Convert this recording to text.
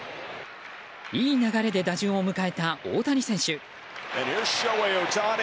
いい流れで打順を迎えた大谷選手。